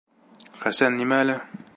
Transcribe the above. Хәсән нимә әле?